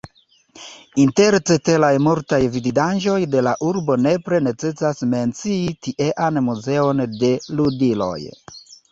Inter ceteraj multaj vidindaĵoj de la urbo nepre necesas mencii tiean muzeon de ludiloj.